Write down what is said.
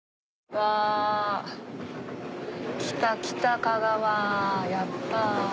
わ来た来た香川やった。